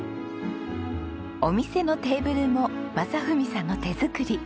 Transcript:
お店のテーブルも正文さんの手作り。